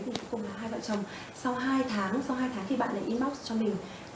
thì cuối cùng là hai vợ chồng sau hai tháng sau hai tháng khi bạn ấy inbox cho mình